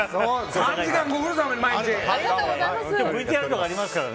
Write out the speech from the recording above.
ＶＴＲとかありますから。